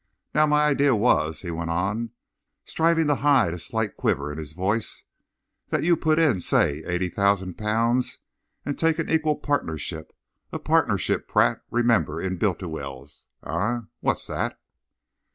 Now my idea was," he went on, striving to hide a slight quaver in his voice, "that you put in, say, eighty thousand pounds, and take an equal partnership a partnership, Pratt, remember, in Bultiwell's.... Eh? What's that?"